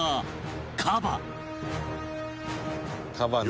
カバね。